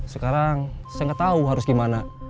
sekarang saya nggak tahu harus gimana